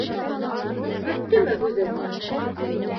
Бөттөмө һүҙең?